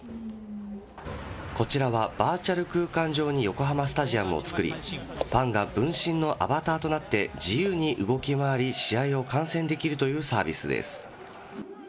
こちらはバーチャル空間上に横浜スタジアムを作り、ファンが分身のアバターとなって、自由に動き回り、試合を観戦できるというサービスです。